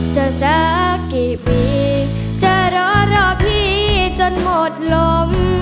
สักกี่ปีจะรอรอพี่จนหมดลม